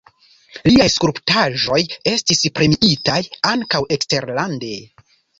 Liaj skulptaĵoj estis premiitaj ankaŭ eksterlande.